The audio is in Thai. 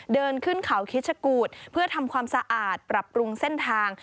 เดินขึ้นเขาคิชกูธเพื่อทำความสะอาดปรับปรุงเส้นทาง